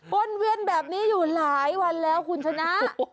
วนเวียนแบบนี้อยู่หลายวันแล้วคุณชนะ